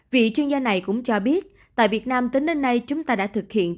vị chuyên gia này cũng cho biết tại việt nam tính đến nay chúng ta đã thực hiện